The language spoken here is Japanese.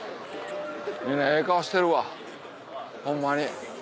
みんなええ顔してるわホンマに。